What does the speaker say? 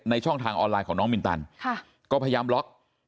ช่องทางออนไลน์ของน้องมินตันก็พยายามล็อก